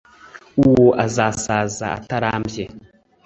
uwo azasaza atarambye,